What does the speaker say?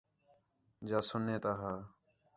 جا سُنّے تا ہا